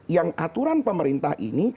yang aturan pemerintah ini